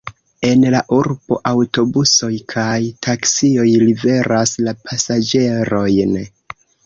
En la urbo aŭtobusoj kaj taksioj liveras la pasaĝerojn.